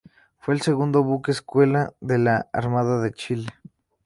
Fue el segundo Buque escuela de la Armada de Chile.